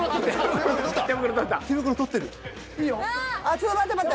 ちょ待って待って！